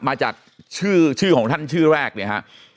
มาจากชื่อชื่อของท่านชื่อแรกเนี่ยฮะ